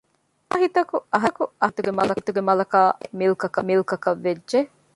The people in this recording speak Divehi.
އިސާހިތަކު އަހަރެންގެ ހިތުގެ މަލަކާ އަހަރެންގެ މިލްކަކަށް ވެއްޖެ